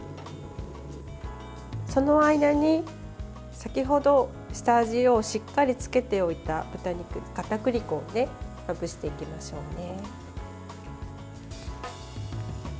その間に、先程下味をしっかりつけておいた豚肉にかたくり粉をまぶしていきましょうね。